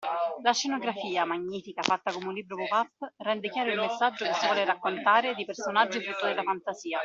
La scenografia, magnifica, fatta come un libro pop-up rende chiaro il messaggio che si vuole raccontare di personaggi frutto della fantasia